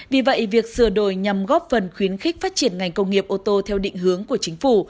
vì vậy việc sửa đổi nhằm góp phần khuyến khích phát triển ngành công nghiệp ô tô theo định hướng của chính phủ